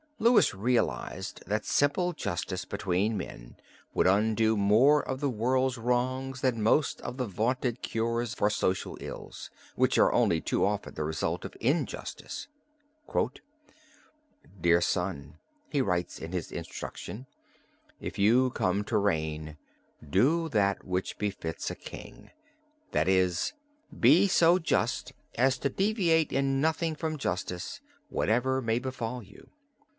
Louis realized that simple justice between men would undo more of the world's wrongs than most of the vaunted cures for social ills, which are only too often the result of injustice. "Dear son," he writes in his Instruction, "if you come to reign, do that which befits a king, that is, be so just as to deviate in nothing from justice, whatever may befall you.